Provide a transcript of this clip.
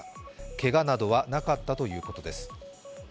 けがなどはなかったということです。